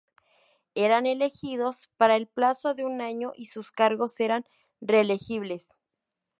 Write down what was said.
Eran elegidos para el plazo de un año y sus cargos eran reelegibles.